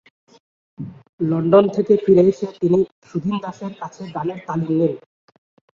London থেকে ফিরে এসে তিনি সুধীন দাশ এর কাছ থেকে গানের তালিম নেন।